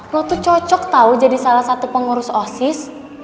lo tuh cocok tau jadi salah satu pengurus osis